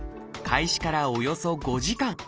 開始からおよそ５時間